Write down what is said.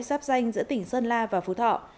giáp danh giữa tỉnh sơn la và phú thọ